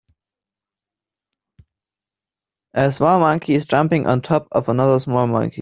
A small monkey is jumping on top of another small monkey.